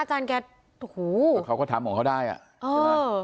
อาจารย์แกโอ้โหเขาก็ทำของเขาได้อ่ะใช่ไหม